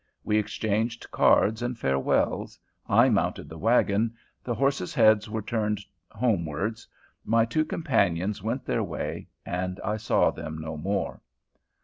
We exchanged cards and farewells, I mounted the wagon, the horses' heads were turned homewards, my two companions went their way, and I saw them no more.